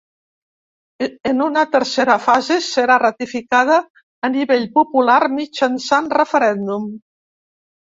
En una tercera fase serà ratificada a nivell popular mitjançant referèndum.